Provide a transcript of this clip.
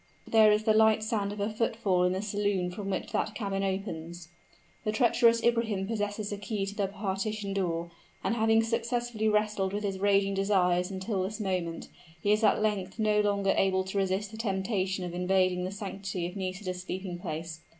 there is the light sound of a footfall in the saloon from which that cabin opens. The treacherous Ibrahim possesses a key to the partition door; and having successfully wrestled with his raging desires until this moment, he is at length no longer able to resist the temptation of invading the sanctity of Nisida's sleeping place.